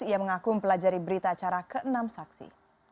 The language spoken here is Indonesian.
ia mengaku mempelajari berita acara ke enam saksi